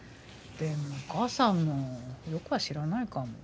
でもお母さんもよくは知らないかも。